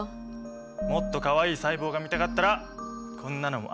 もっとかわいい細胞が見たかったらこんなのもあるよ。